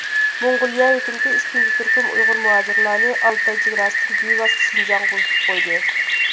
موڭغۇلىيە ھۆكۈمىتى ئىككىنچى تۈركۈم ئۇيغۇر مۇھاجىرلارنى ئالتاي چېگراسىدىن بىۋاسىتە شىنجاڭغا ئۇزىتىپ قويدى.